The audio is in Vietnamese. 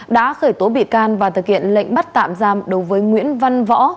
đã khởi tố bị can và thực hiện lệnh bắt tạm giam đối với nguyễn văn võ